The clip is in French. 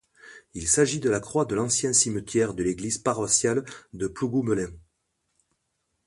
Il s'agit de la croix de l'ancien cimetière de l’église paroissiale de Plougoumelen.